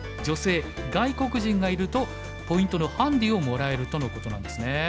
女性外国人がいるとポイントのハンディをもらえるとのことなんですね。